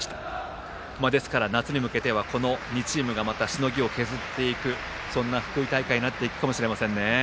ですから夏に向けてはこの２チームがしのぎを削るそんな福井大会になっていくかもしれませんね。